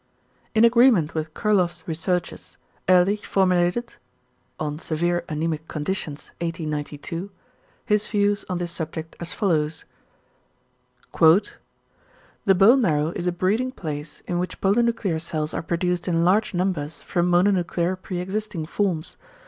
In agreement with Kurloff's researches, Ehrlich formulated ("On severe anæmic conditions" 1892) his views on this subject as follows: "The bone marrow is a breeding place in which polynuclear cells are produced in large numbers from mononuclear pre existing forms.